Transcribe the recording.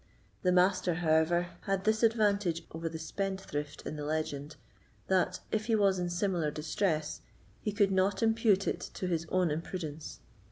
The Master, however, had this advantage over the spendthrift in the legend, that, if he was in similar distress, he could not impute it to his own imprudence.